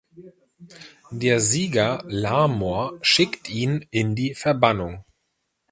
Der Sieger Larmor schickt ihn in die Verbannung.